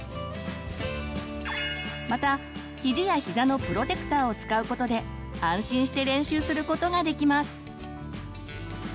またひじやひざのプロテクターを使うことで安心して練習することができます。